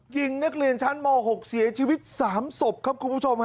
ยิงนักเรียนชั้นม๖เสียชีวิต๓ศพครับคุณผู้ชมฮะ